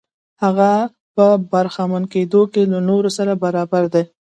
هغه په برخمن کېدو کې له نورو سره برابر دی.